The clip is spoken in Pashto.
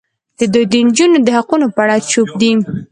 دوی د نجونو د حقونو په اړه چوپ دي.